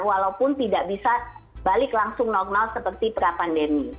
walaupun tidak bisa balik langsung normal seperti pra pandemi